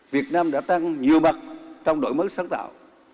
việt nam đã tăng nhiều mặt trong đổi mới sáng tạo